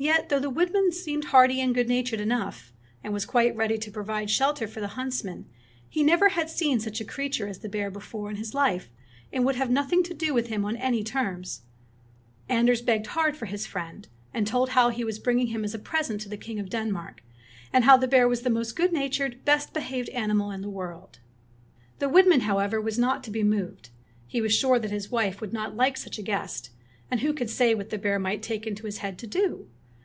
Yet, though the woodman seemed hearty and good natured enough, and was quite ready to provide shelter for the huntsman, he never had seen such a crea ture as the bear before in his life, and would have nothing to do with him on any terms. 16 Fairy Tale Bears Anders begged hard for his friend, and told how he was bringing him as a present to the king of Denmark, and how the bear was the most good natured, best behaved animal in the world. The woodman, however, was not to be moved. He was sure that his wife would not like such a guest, and who could say what the bear might take it into his head to do?